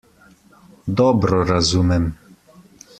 Dobro razumem.